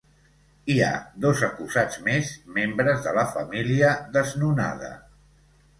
Hi ha dos acusats més, membres de la família desnonada.